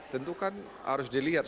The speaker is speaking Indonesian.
tentu kan harus dilihat